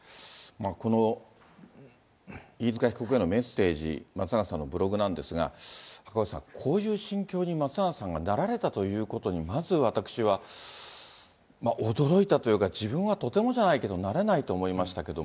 この飯塚被告へのメッセージ、松永さんのブログなんですが、赤星さん、こういう心境に松永さんがなられたということに、まず私は驚いたというか、自分はとてもじゃないけどなれないと思いましたけど。